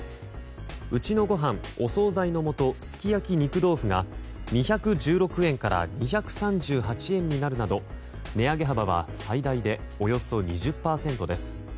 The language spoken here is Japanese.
うちのごはんおそうざいの素すきやき肉豆腐が２１６円から２３８円になるなど値上げ幅は最大でおよそ２０％です。